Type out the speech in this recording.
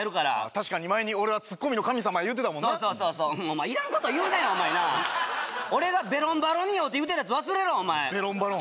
確かに前に「俺はツッコミの神様」言うてたもんなそうそうそうお前いらんこと言うなよなあ俺がベロンバロンに酔うて言うてたやつ忘れろお前「ベロンバロン」